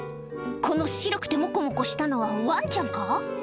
この白くてモコモコしたのはワンちゃんか？